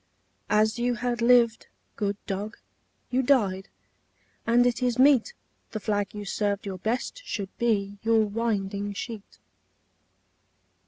As you had lived, good dog, you died, And it is meet The flag you served your best should be Your winding sheet.